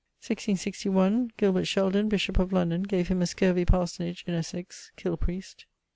1661, Gilbert Sheldon, bishop of London, gave him a scurvy parsonage in Essex ('kill priest').